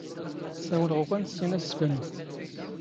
ⵙⴰⵡⵍⵖ ⵓⴽⴰⵏ ⵙⵉⵏ ⴰⵙⵙⴼⴰⵏⵏ.